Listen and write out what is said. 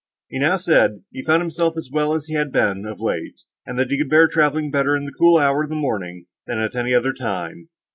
He now said, he found himself as well as he had been of late, and that he could bear travelling better in the cool hour of the morning, than at any other time.